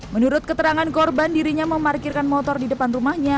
menurut keterangan korban dirinya memarkirkan motor di depan rumahnya